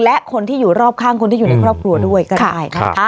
และคนที่อยู่รอบข้างคนที่อยู่ในครอบครัวด้วยก็ได้นะคะ